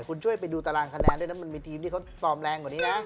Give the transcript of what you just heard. คุณช่วยไปดูตารางคะแนนด้วยนะมันมีทีมที่เขาฟอร์มแรงกว่านี้นะ